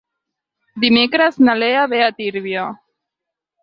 Dimecres na Lea va a Tírvia.